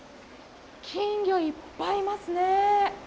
金魚、いっぱいいますね。